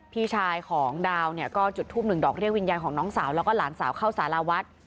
พี่ชายของดาวเนี่ยก็จุดทูปหนึ่งดอกเรียกวิญญาณของน้องสาวแล้วก็หลานสาวเข้าสารวัฒน์